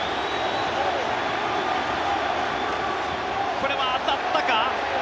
これは当たったか？